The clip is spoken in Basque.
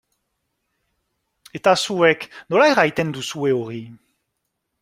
Eta zuek nola erraiten duzue hori?